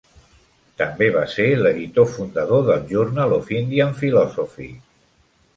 També va ser l'editor fundador del Journal of Indian Philosophy.